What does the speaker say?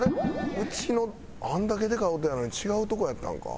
うちのあれだけでかい音やのに違うとこやったんか？」